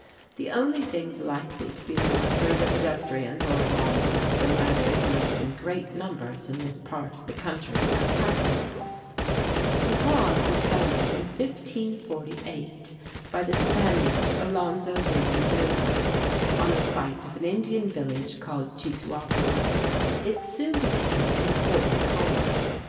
The only things likely to be met are either pedestrians or llamas, the latter used in great numbers in this part of the country as pack animals. La Paz was founded in 1548 by the Spaniard, Alonzo de Mendoza (ahlon´tho day men do´ thah), on the site of an Indian village called Chuquiapu (choo ku ah´ poo). It soon became an important colony.